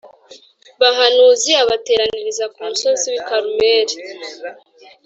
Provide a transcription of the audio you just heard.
bahanuzi abateraniriza ku musozi w i Karumeli